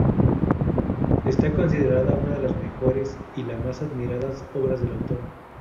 Está considerada una de las mejores y más admiradas obras del autor.